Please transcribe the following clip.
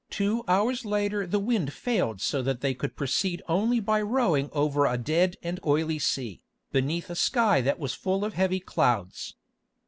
Two hours later the wind failed so that they could proceed only by rowing over a dead and oily sea, beneath a sky that was full of heavy clouds.